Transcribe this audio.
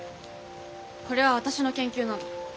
これは私の研究なの。